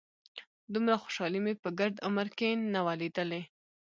دومره خوشالي مې په ګرد عمر کښې نه وه ليدلې.